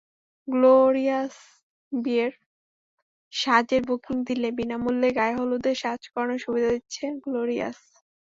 গ্লোরিয়াসবিয়ের সাজের বুকিং দিলে বিনা মূল্যে গায়েহলুদের সাজ করানোর সুবিধা দিচ্ছে গ্লোরিয়াস।